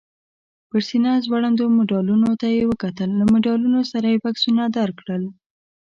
پر سینه ځوړندو مډالونو ته یې وکتل، له مډالونو سره یې بکسونه درکړل؟